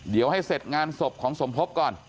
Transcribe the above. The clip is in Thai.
เดี๋ยวให้เสร็จงานศพของสมภพก่อน